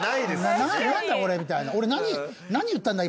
何だこれ？みたいな。